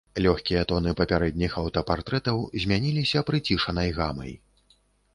Лёгкія тоны папярэдніх аўтапартрэтаў змяніліся прыцішанай гамай.